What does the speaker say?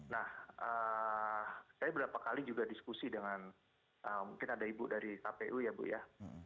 nah saya berapa kali juga diskusi dengan mungkin ada ibu dari kpu ya bu ya